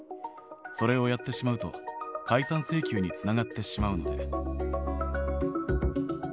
それをやってしまうと、解散請求につながってしまうので。